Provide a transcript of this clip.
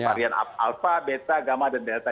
varian alpha beta gamma dan delta